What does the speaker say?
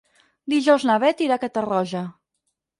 Dijous na Beth irà a Catarroja.